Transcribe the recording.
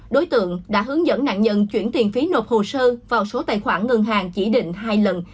đối tượng đã hướng dẫn nạn nhân chuyển tiền phí nộp hồ sơ vào số tài khoản ngân hàng chỉ định hai lần